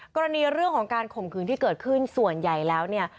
กรณีเรื่องของการข่มขืนที่เกิดขึ้นส่วนใหญ่แล้วเนี่ย